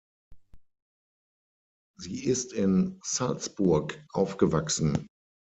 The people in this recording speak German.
Sie ist in Salzburg aufgewachsen.